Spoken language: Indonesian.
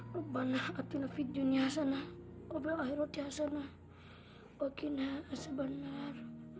rabbana atina fidyuni hasanah wabarakatuh hasanah wakinah asibannar